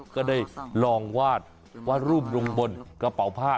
ก็ได้ลองวาดวาดรูปลงบนกระเป๋าผ้า